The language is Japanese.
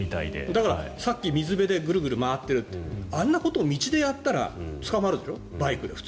だからさっき水辺でぐるぐる回っているってあんなことを道でやったら捕まるでしょ。